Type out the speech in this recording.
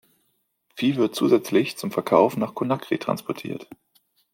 Vieh wird zusätzlich zum Verkauf nach Conakry transportiert.